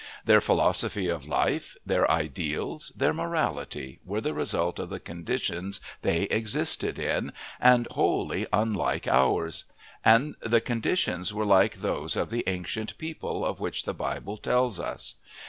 Their philosophy of life, their ideals, their morality, were the result of the conditions they existed in, and wholly unlike ours; and the conditions were like those of the ancient people of which the Bible tells us.